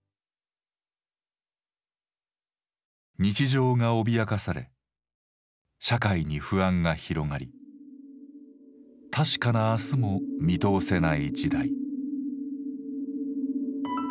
日常が脅かされ社会に不安が広がり確かな明日も見通せない時代。